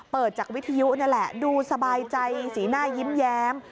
เปิดจากวิทยุนี่แหละดูสบายใจสีหน้ายิ้มแย้ม